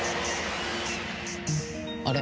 あれ？